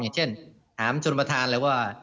อย่างเช่นถามชนประธานเลยว่า